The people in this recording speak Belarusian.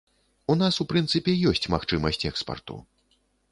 У нас, у прынцыпе, ёсць магчымасць экспарту.